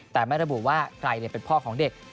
แต่ไม่ระบุว่าใครเป็นพ่อของเด็ก